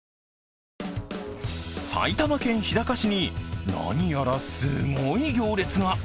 埼玉県日高市に何やらすごい行列が。